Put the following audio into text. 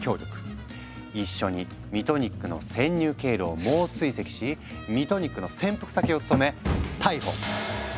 一緒にミトニックの潜入経路を猛追跡しミトニックの潜伏先を突き止め逮捕！